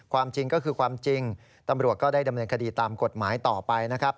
จริงก็คือความจริงตำรวจก็ได้ดำเนินคดีตามกฎหมายต่อไปนะครับ